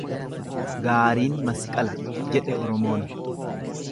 """Gaariin masqala"" jedhe Oromoon."